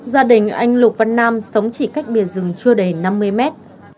gia đình anh lục văn nam sống chỉ cách bìa rừng chưa đầy năm mươi mét